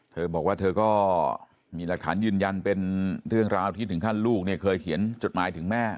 เธอบอกว่าเธอก็มีหลักฐานยืนยันเป็นเรื่องราวที่ถึงขั้นลูกเนี่ยเคยเขียนจดหมายถึงแม่